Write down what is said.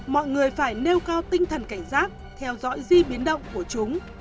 mọi người phải nêu cao tinh thần cảnh giác theo dõi di biến động của chúng